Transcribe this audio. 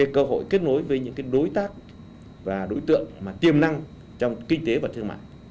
cơ hội kết nối với những đối tác và đối tượng tiềm năng trong kinh tế và thương mại